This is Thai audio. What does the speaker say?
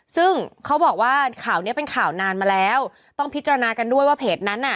ซึ่งเขาบอกว่าข่าวเนี้ยเป็นข่าวนานมาแล้วต้องพิจารณากันด้วยว่าเพจนั้นน่ะ